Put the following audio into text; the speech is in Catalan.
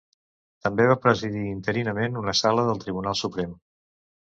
També va presidir interinament una sala del Tribunal Suprem.